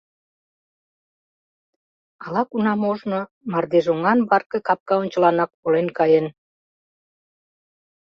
Ала-кунам ожно мардежоҥан барке капка ончыланак волен каен.